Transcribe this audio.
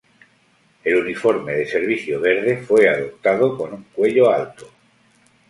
El uniforme de servicio verde fue adoptado con un cuello alto.